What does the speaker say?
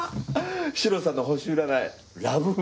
シロさんの星占いラブ運